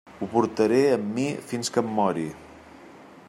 Ho portaré amb mi fins que em mori.